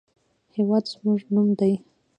هېواد زموږ نوم دی